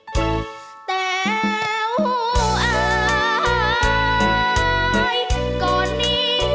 เดี๋ยวนี้แต่วจากไปไกลทิ้งพี่ให้โศกอาลัยแต่วไปอยู่ไหนไม่บอกพี่เลย